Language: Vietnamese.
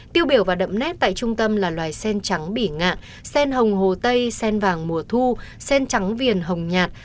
tiêu biểu và đậm nét tại trung tâm là loài sen trắng bỉ ngạn sen hồng hồ tây sen vàng mùa thu sen trắng viền hồng nhạt